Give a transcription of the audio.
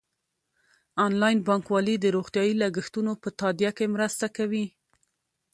انلاین بانکوالي د روغتیايي لګښتونو په تادیه کې مرسته کوي.